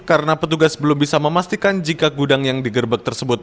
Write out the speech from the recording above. karena petugas belum bisa memastikan jika gudang yang digerebek tersebut